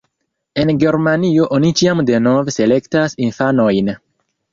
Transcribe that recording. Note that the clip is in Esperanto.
En Germanio oni ĉiam denove selektas infanojn.